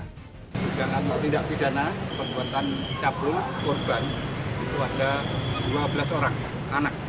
tidak ada tindak pidana perbuatan capul korban itu ada dua belas orang anak